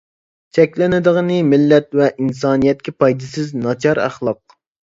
چەكلىنىدىغىنى مىللەت ۋە ئىنسانىيەتكە پايدىسىز، ناچار ئەخلاق.